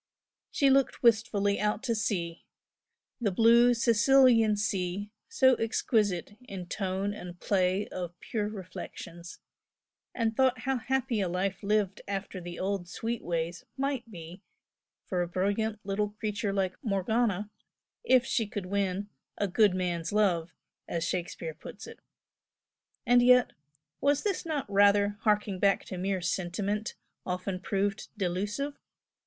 She looked wistfully out to sea, the blue Sicilian sea so exquisite in tone and play of pure reflections, and thought how happy a life lived after the old sweet ways might be for a brilliant little creature like Morgana, if she could win "a good man's love" as Shakespeare puts it. And yet was not this rather harking back to mere sentiment, often proved delusive?